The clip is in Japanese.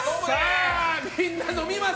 みんな飲みます！